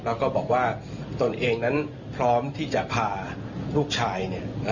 แล้วก็บอกว่าตนเองนั้นพร้อมที่จะพาลูกชาย